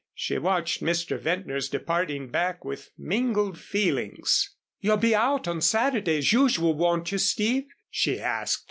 She watched Mr. Ventnor's departing back with mingled feelings. "You'll be out on Saturday as usual, won't you, Steve?" she asked.